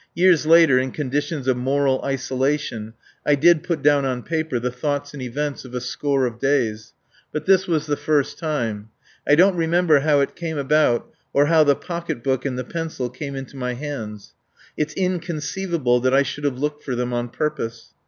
Years later, in conditions of moral isolation, I did put down on paper the thoughts and events of a score of days. But this was the first time. I don't remember how it came about or how the pocketbook and the pencil came into my hands. It's inconceivable that I should have looked for them on purpose.